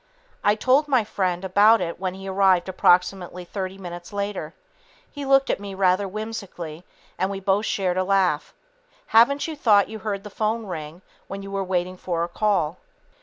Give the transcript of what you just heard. I told my friend about it when he arrived approximately 30 minutes later. He looked at me rather whimsically, and we both shared a laugh. Haven't you thought you heard the phone ring when you were waiting for a call?